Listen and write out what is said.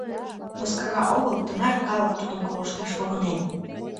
Мыскара огыл — тынар калык тудым колышташ погынен.